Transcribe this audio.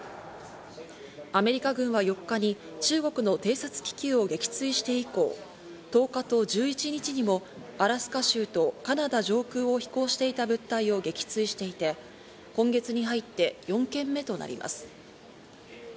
アメリカ軍は４日に中国の偵察気球を撃墜して以降、１０日と１１日にもアラスカ州とカナダ上空を飛行していた物体を撃墜していて、今月に入って４件目となります。